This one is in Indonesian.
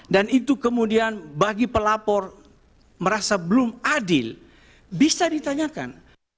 dan itu kemudian bagi pelapor merasa belum adil bisa ditanyakan